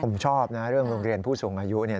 ผมชอบนะเรื่องโรงเรียนผู้สูงอายุ